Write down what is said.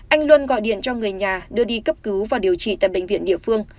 anh luân gọi điện cho người nhà đưa đi cấp cứu và điều trị tại bệnh viện địa phương